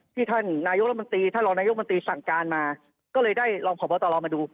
ที่ท่านรมพสั่งการมาก็เลยได้รองพอเบาะต่อรอมาดู